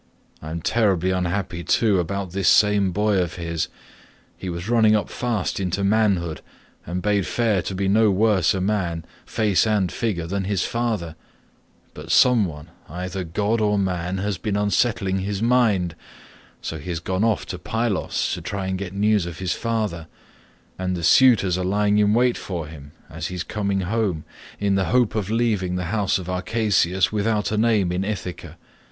I am terribly unhappy too about this same boy of his; he was running up fast into manhood, and bade fare to be no worse man, face and figure, than his father, but some one, either god or man, has been unsettling his mind, so he has gone off to Pylos to try and get news of his father, and the suitors are lying in wait for him as he is coming home, in the hope of leaving the house of Arceisius without a name in Ithaca.